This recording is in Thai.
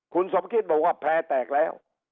คุณสมคิดบอกว่าแพร่แตกแล้ว